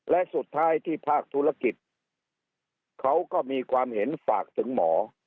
และสุดท้ายที่ภาคธุรกิจเขาก็มีความเห็นฝากถึงหมอ